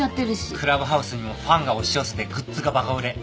クラブハウスにもファンが押し寄せてグッズがバカ売れ。